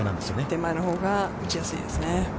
手前のほうが打ちやすいですね。